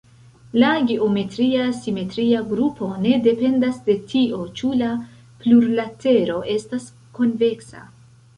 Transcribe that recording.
La geometria simetria grupo ne dependas de tio ĉu la plurlatero estas konveksa.